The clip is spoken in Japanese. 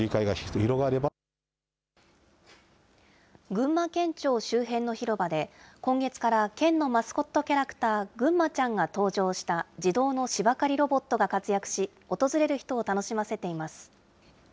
群馬県庁周辺の広場で、今月から県のマスコットキャラクター、ぐんまちゃんが搭乗した自動の芝刈りロボットが活躍し、訪れる人を楽しませています。